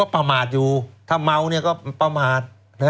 ประมาทอยู่ถ้าเมาก็ประมาท